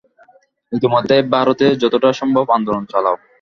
ইতোমধ্যে ভারতে যতটা সম্ভব আন্দোলন চালাও।